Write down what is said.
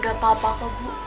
gak apa apa bu